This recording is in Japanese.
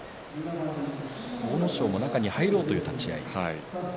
阿武咲も中に入ろうという立ち合いでした。